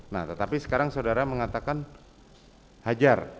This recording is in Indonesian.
nah tetapi sekarang saudara mengatakan hajar